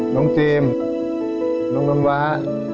น้องเจมส์น้องน้ำว้า